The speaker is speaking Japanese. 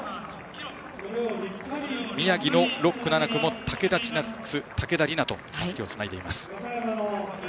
宮城の６区、７区も武田千捺武田莉奈とたすきをつないでいます。